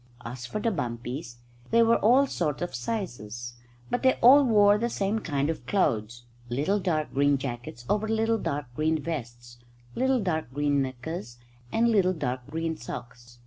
As for the bumpies, they were of all sorts of sizes, but they all wore the same kind of clothes little dark green jackets over little dark green vests, little dark green knickers, and little dark green socks.